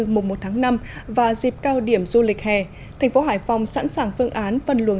mùng một tháng năm và dịp cao điểm du lịch hè thành phố hải phòng sẵn sàng phương án phân luồng